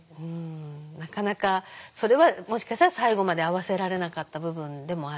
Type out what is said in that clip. なかなかそれはもしかしたら最後まで合わせられなかった部分でもあるんですけど。